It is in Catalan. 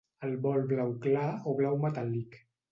El vol blau clar, o blau metàl·lic?